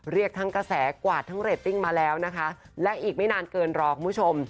เรียกทั้งกระแสกวาดทั้งเรตติ้งมาแล้วนะคะและอีกไม่นานเกินรอคุณผู้ชม